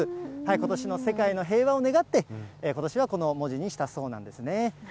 ことしの世界の平和を願って、ことしはこの文字にしたそうなんですね。